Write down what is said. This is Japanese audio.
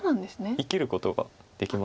生きることができます。